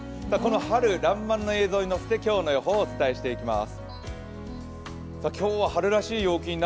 春らんまんの映像にのせて今日の予報をお伝えしていきます。